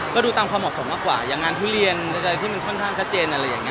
ก็ดูตามความเหมาะสมมากกว่ายางงานทุเรียนที่มันค่อนข้างชัดเจน